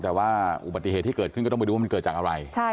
แต่ว่าอุบัติเหตุที่เกิดขึ้นก็ต้องไปดูว่ามันเกิดจากอะไร